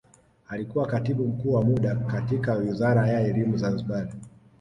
alikuwa katibu mkuu wa muda katika wizara ya elimu zanzibar